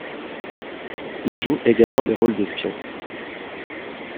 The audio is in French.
Il joue également des rôles d'espion.